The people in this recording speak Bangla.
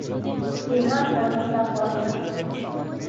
রেহান এমনটা করে না।